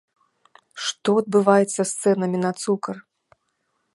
Што адбываецца з цэнамі на цукар?